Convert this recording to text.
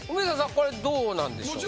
これどうなんでしょうか？